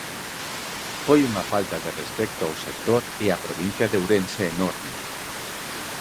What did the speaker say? Foi unha falta de respecto ao sector e á provincia de Ourense enorme.